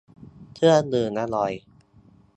เครื่องดื่มอร่อย